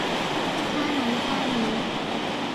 ท่านั้นท่านี้